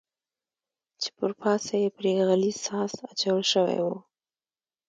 چې پر پاسه یې پرې غلیظ ساس اچول شوی و.